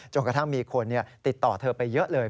กระทั่งมีคนติดต่อเธอไปเยอะเลย